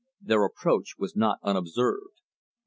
Their approach was not unobserved.